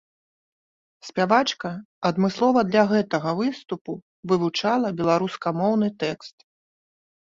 Спявачка адмыслова для гэтага выступу вывучала беларускамоўны тэкст.